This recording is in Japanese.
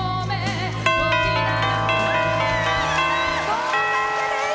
合格です！